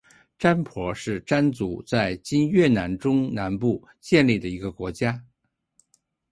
占婆是占族在今越南中南部建立的一个国家。